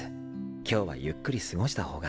今日はゆっくり過ごしたほうが。